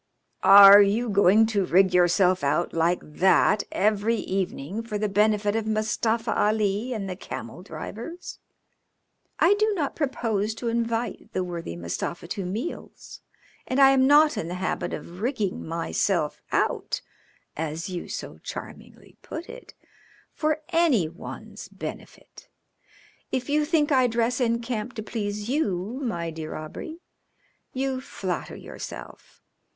"Are you going to rig yourself out like that every evening for the benefit of Mustafa Ali and the camel drivers?" "I do not propose to invite the worthy Mustafa to meals, and I am not in the habit of 'rigging myself out,' as you so charmingly put it, for any one's benefit. If you think I dress in camp to please you, my dear Aubrey, you flatter yourself.